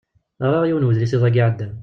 Ɣriɣ yiwen udlis iḍ-agi iɛeddan.